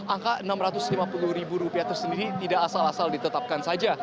angka rp enam ratus lima puluh itu sendiri tidak asal asal ditetapkan saja